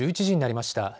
１１時になりました。